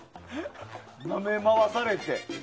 なめ回されて。